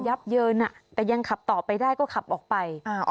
ับเยินแต่ยังขับต่อไปได้ก็ขับออกไป